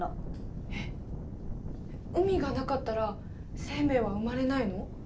えっ海がなかったら生命は生まれないの？